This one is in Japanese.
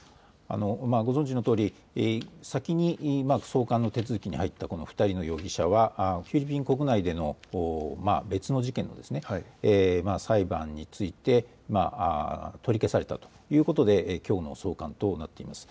ご存じのとおり、先に送還の手続きに入った２人の容疑者はフィリピン国内での別の事件の裁判について取り消されたということできょうの送還となっています。